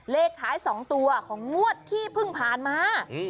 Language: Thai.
เลขท้าย๒ตัวของงวดที่เพิ่งผ่านมา